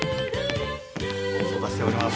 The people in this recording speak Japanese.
ご無沙汰しております。